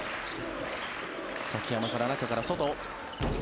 崎濱から、中から外。